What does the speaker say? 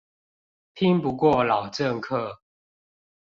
拼不過老政客